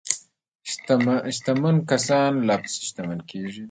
شتمن کسان لا پسې شتمن کیږي.